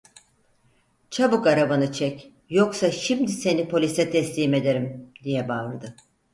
Çabuk arabanı çek, yoksa şimdi seni polise teslim ederim! diye bağırdı.